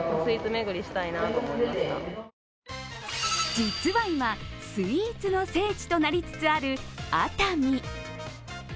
実は今、スイーツの聖地となりつつある熱海。